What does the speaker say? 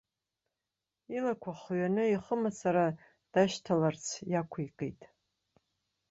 Илақәа хҩаны ихы мацара дашьҭаларц иақәикит.